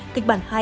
kịch bản hai